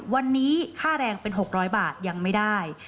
วันนี้ค่าแรงเป็น๖๐๐บาทยังไม่ได้